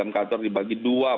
jam kantor dibagi dua atau tiga